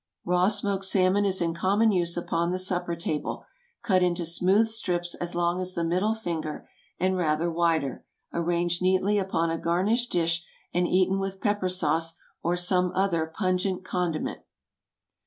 Raw smoked salmon is in common use upon the supper table, cut into smooth strips as long as the middle finger, and rather wider; arranged neatly upon a garnished dish, and eaten with pepper sauce or some other pungent condiment.